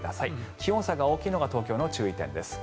気温差が大きいのが東京の注意点です。